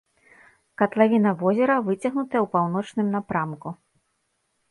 Катлавіна возера выцягнутая ў паўночным напрамку.